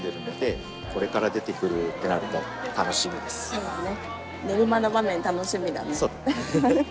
そうだね。